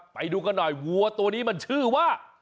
ไปดูกันหน่อยวัวตัวนี้มันชื่อว่า